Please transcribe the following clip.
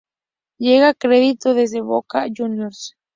Llega cedido desde Boca Juniors.